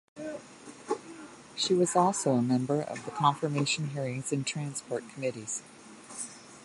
She was also a member of the Confirmation Hearings and Transport Committees.